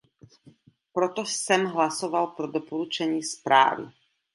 Proto jsem hlasoval pro doporučení zprávy.